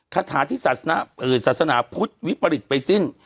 คาถาที่ศาสนาพุทธวิปริตไปสิ้น